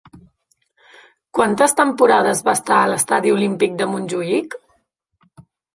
Quantes temporades va estar a l'Estadi Olímpic de Montjuïc?